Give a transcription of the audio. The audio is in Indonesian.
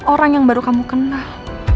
orang yang baru kamu kenal